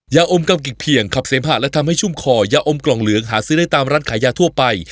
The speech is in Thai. ยาอมกำกิกเพียงขับเสมหะและทำให้ชุ่มคอยาอมกล่องเหลืองหาซื้อได้ตามร้านขายยาทั่วไป